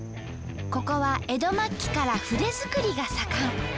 ここは江戸末期から筆作りが盛ん。